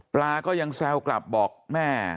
ก็ยังแซวกลับบอกแม่